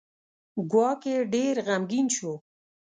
ګواکې ډېر غمګین شو.